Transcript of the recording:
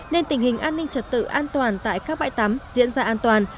nên tình hình an ninh trật tự an toàn tại các bãi tắm diễn ra an toàn